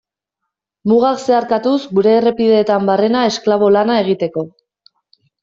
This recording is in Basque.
Mugak zeharkatuz gure errepideetan barrena esklabo lana egiteko.